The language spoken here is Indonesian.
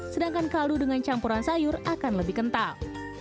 sedangkan kaldu dengan campuran sayur akan lebih kental